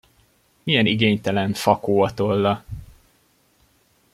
Milyen igénytelen, fakó a tolla!